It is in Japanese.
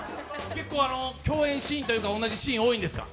結構共演シーンというか、同じシーンあるんですか？